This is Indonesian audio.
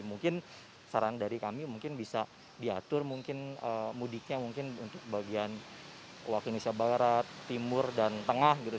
mungkin saran dari kami mungkin bisa diatur mungkin mudiknya mungkin untuk bagian waktu indonesia barat timur dan tengah gitu